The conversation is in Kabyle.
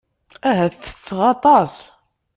Ahat ttesseɣ aṭas.